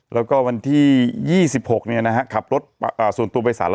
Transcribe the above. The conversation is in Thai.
แล้วก็วันที่ยี่สิบหกเนี้ยนะฮะขับรถอาส่วนตัววัยสาหรัฐ